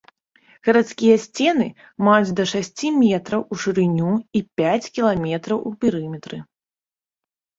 Гарадскія сцены маюць да шасці метраў у шырыню і пяць кіламетраў у перыметры.